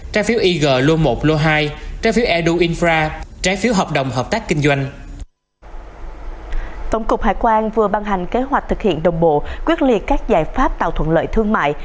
tổng cục hải quan vừa ban hành kế hoạch thực hiện đồng bộ quyết liệt các giải pháp tạo thuận lợi thương mại